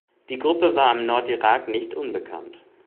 Die Gruppe war im Nordirak nicht unbekannt.